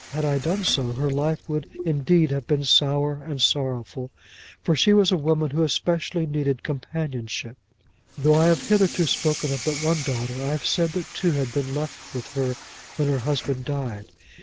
Had I done so, her life would indeed have been sour, and sorrowful, for she was a woman who especially needed companionship. Though I have hitherto spoken but of one daughter, I have said that two had been left with her when her husband died.